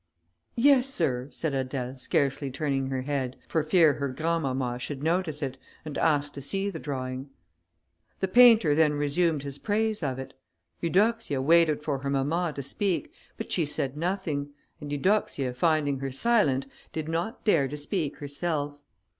"Yes, sir," said Adèle, scarcely turning her head, for fear her grandmamma should notice it, and ask to see the drawing. The painter then resumed his praise of it. Eudoxia waited for her mamma to speak, but she said nothing, and Eudoxia finding her silent, did not dare to speak herself.